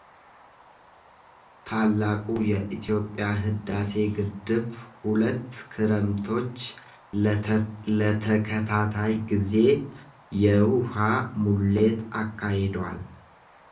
ታላቁ የኢትዮጵያ ሕዳሴ ግድብ ሁለት ክረምቶች ለተከታታይ ጊዜ የውሃ ሙሌት አካሂዷል።